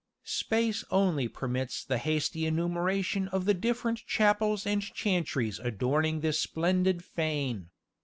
Space only permits the hasty enumeration of the different chapels and chantries adorning this splendid fane.